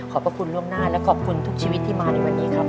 พระคุณล่วงหน้าและขอบคุณทุกชีวิตที่มาในวันนี้ครับ